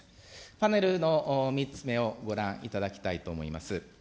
パネルの３つ目をご覧いただきたいと思います。